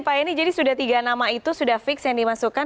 pak eni jadi sudah tiga nama itu sudah fix yang dimasukkan